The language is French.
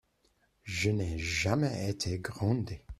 Je n'ai jamais été grondé.